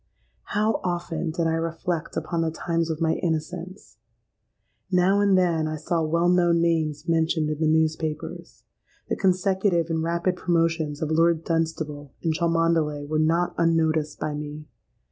"How often did I reflect upon the times of my innocence! Now and then I saw well known names mentioned in the newspapers. The consecutive and rapid promotions of Lord Dunstable and Cholmondeley were not unnoticed by me.